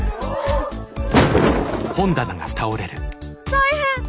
大変！